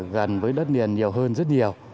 gần với đất liền nhiều hơn rất nhiều